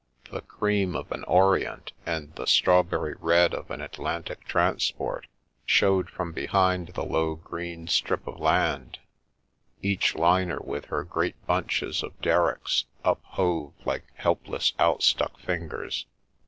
the cream of an Orient and the strawberry red of an Atlantic Transport showed from behind the low green strip of land, each liner with her great bunches of der ricks up hove like helpless out stuck fingers.